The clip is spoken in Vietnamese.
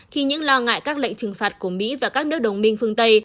khi những lo ngại các lệnh trừng phạt của mỹ và các nước đồng minh phương tây